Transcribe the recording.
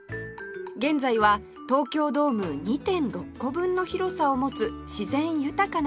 現在は東京ドーム ２．６ 個分の広さを持つ自然豊かな公園です